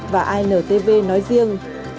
và intv nói riêng